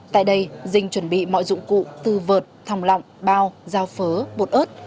tại đây dinh chuẩn bị mọi dụng cụ từ vợt thòng lọng bao dao phớ bột ớt